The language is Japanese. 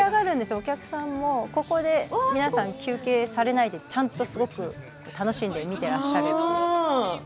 お客さんもここで皆さん休憩されないですごく楽しんで見ていらっしゃる。